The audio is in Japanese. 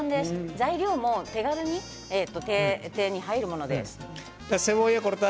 材料も手軽に手に入るものです。